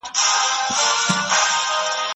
سیاسي کړۍ غواړي چې ولس د اصلي ستونزو پرځای خواله کړي.